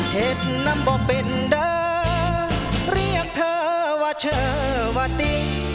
เห็นนำบ่เป็นเด้อเรียกเธอว่าเธอวาติ